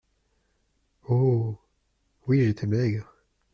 Oh ! oui, j’étais maigre !